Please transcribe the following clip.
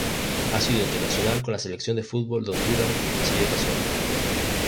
Ha sido internacional con la Selección de fútbol de Honduras en seis ocasiones.